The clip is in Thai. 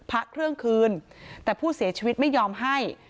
พระเครื่องคืนแต่ผู้เสียชีวิตไม่ยอมให้